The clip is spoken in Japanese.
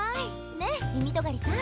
ねっみみとがりさん。